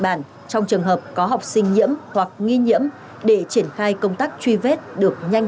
bản trong trường hợp có học sinh nhiễm hoặc nghi nhiễm để triển khai công tác truy vết được nhanh